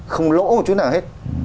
không lỗ một chút nào hết